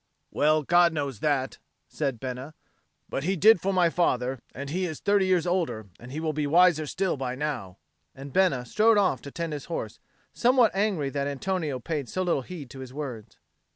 "Well, God knows that," said Bena. "But he did it for my father; and as he is thirty years older, he will be wiser still by now;" and Bena strode off to tend his horse, somewhat angry that Antonio paid so little heed to his words.